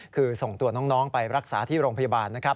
คือส่งตัวน้องไปรักษาที่โรงพยาบาลนะครับ